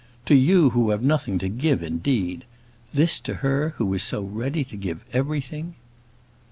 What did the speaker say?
"To you who have nothing to give," indeed! This to her who was so ready to give everything!